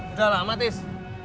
udah lama tis